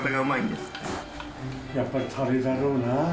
やっぱりたれだろうな。